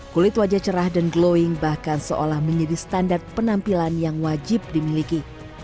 kulit wajah cerah dan glowing bahkan seolah menjadi standar penampilan yang wajib dimiliki